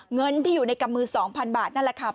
เงินที่อยู่ในกำมือ๒๐๐บาทนั่นแหละค่ะ